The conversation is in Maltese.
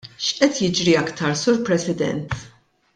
X'qed jiġri aktar, Sur President?